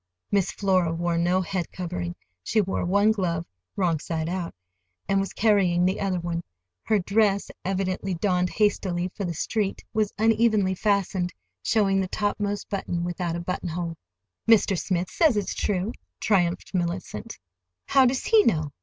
Miss Flora wore no head covering. She wore one glove (wrong side out), and was carrying the other one. Her dress, evidently donned hastily for the street, was unevenly fastened, showing the topmost button without a buttonhole. "Mr. Smith says it's true," triumphed Mellicent. "How does he know?